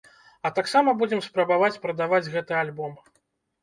А таксама будзем спрабаваць прадаваць гэты альбом.